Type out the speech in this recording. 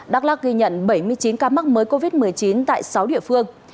đắk lắc ghi nhận bảy mươi chín ca mắc mới covid một mươi chín tại sáu địa phương